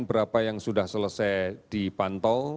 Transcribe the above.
berapa yang sudah selesai dipantau